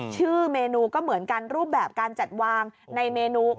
ชื่อเมนูก็เหมือนกันรูปแบบการจัดวางในเมนู